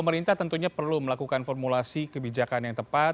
pemerintah tentunya perlu melakukan formulasi kebijakan yang tepat